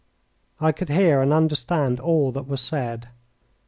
I could hear and understand all that was said.